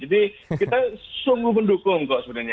jadi kita sungguh mendukung kok sebenarnya